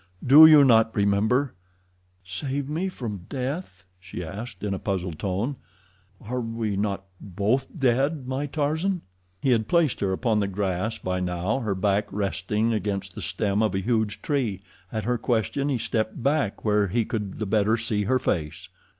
"Do you not remember?" "Save me from death?" she asked, in a puzzled tone. "Are we not both dead, my Tarzan?" He had placed her upon the grass by now, her back resting against the stem of a huge tree. At her question he stepped back where he could the better see her face.